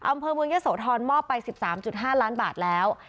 อำเภอเมืองยะโสธรมอบไป๑๓๕ล้านบาทแล้ว